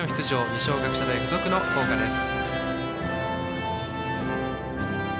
二松学舎大付属の校歌です。